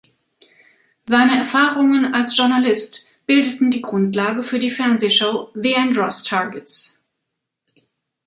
Seine Erfahrungen als Journalist bildeten die Grundlage für die Fernsehshow "The Andros Targets".